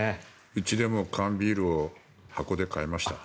うちでも缶ビールを箱で買いました。